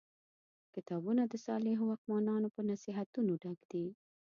کتابونه د صالحو واکمنانو په نصیحتونو ډک دي.